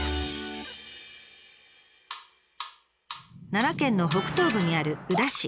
奈良県の北東部にある宇陀市。